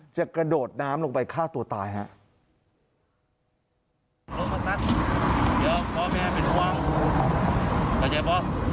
กระโดดน้ำลงไปฆ่าตัวตายครับ